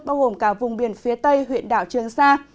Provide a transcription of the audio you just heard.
bao gồm cả vùng biển phía tây huyện đảo trường sa